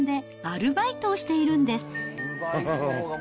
アルバイトしてるんですか。